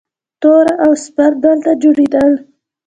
توره او سپر دلته جوړیدل